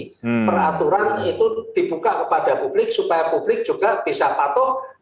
nah peraturan itu dibuka kepada publik supaya publik juga bisa patuh